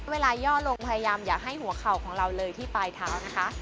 ย่อลงพยายามอย่าให้หัวเข่าของเราเลยที่ปลายเท้านะคะ